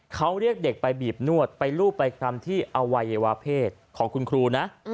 เขาเรียกเด็กไปบีบนวดไปรูปไปคลำที่อวัยวะเพศของคุณครูนะ